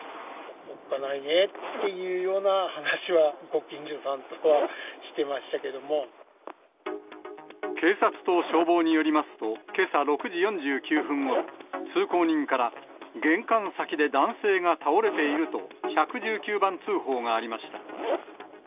おっかないねっていうような話は、警察と消防によりますと、けさ６時４９分ごろ、通行人から、玄関先で男性が倒れていると、１１９番通報がありました。